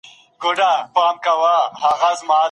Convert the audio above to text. شریف د میاشتې په پای کې خپل حسابونه پاک کړل.